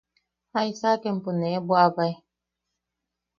–¿Jaisaaka empo nee bwaʼabae.